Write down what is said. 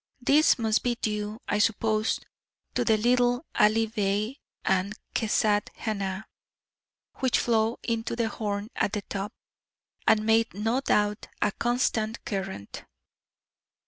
This must be due, I suppose, to the little Ali Bey and Kezat Hanah, which flow into the Horn at the top, and made no doubt a constant current.